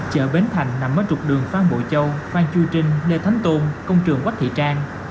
chợ bến thành nằm ở trục đường phan bộ châu phan chu trinh lê thánh tôn công trường quách thị trang